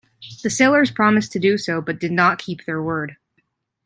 The sailors promised to do so but did not keep their word.